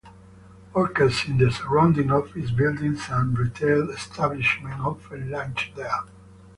Workers in the surrounding office buildings and retail establishments often lunch there.